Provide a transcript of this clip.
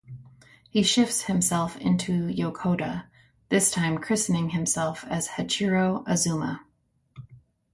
He shifts himself into Yokoda, this time christening himself as "Hachiro Azuma".